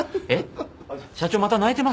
社長また泣いてます？